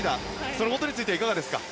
そのことについてはいかがですか。